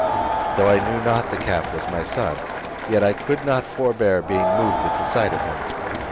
Though I knew not the calf was my son, yet I could not forbear being moved at the sight of him.